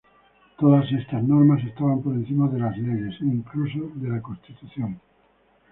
Todas estas normas estaban por encima de las leyes e, incluso, de la Constitución.